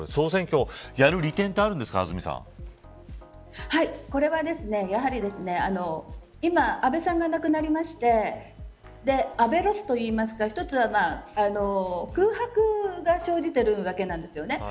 総選挙をやるこれはやはり今、安倍さんが亡くなりまして安倍ロスと言いますか一つは、空白が生じているわけなんですね。